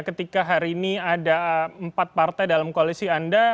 ketika hari ini ada empat partai dalam koalisi anda